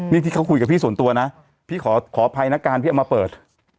นี่ที่เขาคุยกับพี่ส่วนตัวนะพี่ขออภัยนะการพี่เอามาเปิด